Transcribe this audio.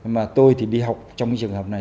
mà tôi thì đi học trong trường hợp này